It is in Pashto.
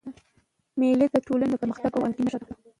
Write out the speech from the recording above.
مېلې د ټولني د پرمختګ او همږغۍ نخښه ده.